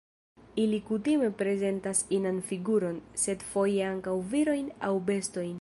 Ili kutime prezentas inan figuron, sed foje ankaŭ virojn aŭ bestojn.